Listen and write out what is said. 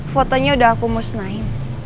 fotonya udah aku musnahin